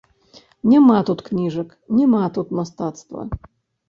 Няма тут кніжак, няма тут мастацтва.